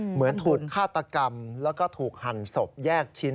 เหมือนถูกฆาตกรรมแล้วก็ถูกหั่นศพแยกชิ้น